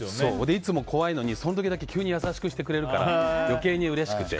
いつも怖いのにその時だけ急に優しくしてくれるから余計にうれしくて。